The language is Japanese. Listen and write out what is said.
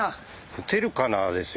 打てるかなですよ